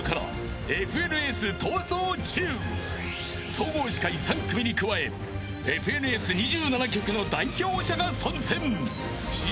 ［総合司会３組に加えＦＮＳ２７局の代表者が参戦］